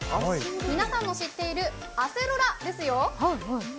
皆さんも知っているアセロラですよ。